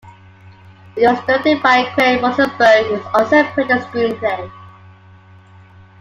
It was directed by Craig Rosenberg, who also penned the screenplay.